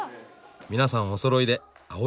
皆さんおそろいで青い服。